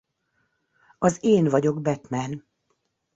Az Én vagyok Batman!